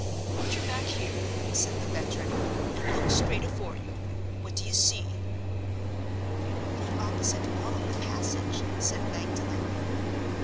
"Put your back here," said the veteran, "and look straight afore you. What do you see?"—"The opposite wall of the passage," said Magdalen.